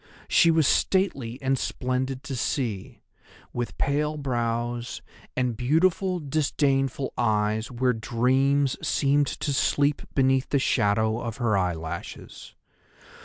She was stately and splendid to see, with pale brows and beautiful disdainful eyes where dreams seemed to sleep beneath the shadow of her eyelashes.